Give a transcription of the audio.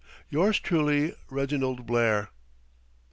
"Yours truly, "REGINALD BLAIR."